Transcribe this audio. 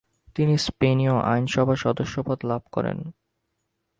তিনি স্পেনীয় আইনসভার সদস্যপদ লাভ করেন।